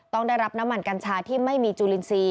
ต้องได้รับน้ำมันกัญชาที่ไม่มีจูลินทรีย์